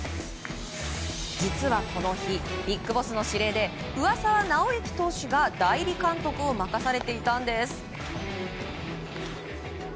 実は、この日ビッグボスの指令で上沢直之投手が代理監督を任されていたんです。